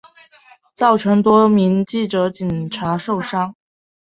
造成多名记者警察受伤